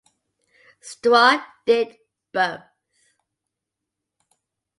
Stroh did both.